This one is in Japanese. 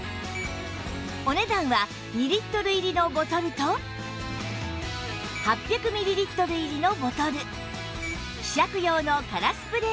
お値段は２リットル入りのボトルと８００ミリリットル入りのボトル希釈用の空スプレー